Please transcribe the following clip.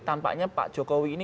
tampaknya pak jokowi ini